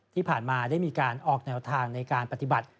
ที่ผ่านมาได้มีการออกแนวทางในการปฏิบัติ